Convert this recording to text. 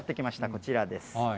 こちらです。